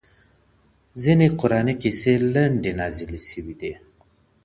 ځيني قرآني قصې لنډي نازلي سوي دي.